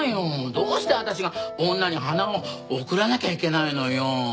どうして私が女に花を贈らなきゃいけないのよ。